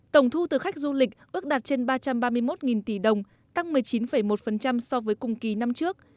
tổng thu từ khách du lịch ước đạt trên ba trăm ba mươi một tỷ đồng tăng một mươi chín một so với cùng kỳ năm trước